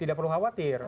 tidak perlu khawatir